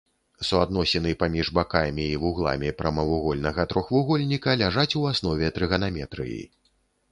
Суадносіны паміж бакамі і вугламі прамавугольнага трохвугольніка ляжаць у аснове трыганаметрыі.